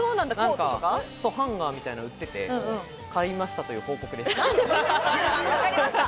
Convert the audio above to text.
ハンガーみたいなの売ってて、買いましたという報告です。